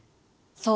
そう！